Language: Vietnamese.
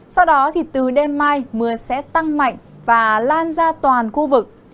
sau đó thì từ đêm mai mưa sẽ tăng mạnh và lan ra toàn khu vực